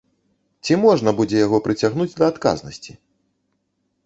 Ці можна будзе яго прыцягнуць да адказнасці?